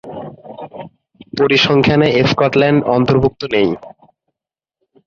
পরিসংখ্যানে Scotland অন্তর্ভুক্ত নেই।